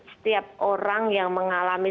setiap orang yang mengalami